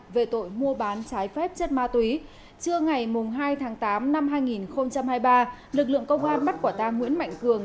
về tội mua bán trái phép chất ma túy trưa ngày hai tháng tám năm hai nghìn hai mươi ba lực lượng công an bắt quả tang nguyễn mạnh cường